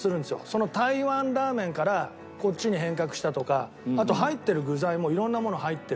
その台湾ラーメンからこっちに変革したとかあと入ってる具材も色んなもの入ってるし。